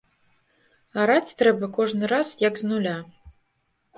Араць трэба кожны раз як з нуля.